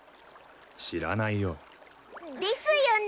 知らないよ。ですよね。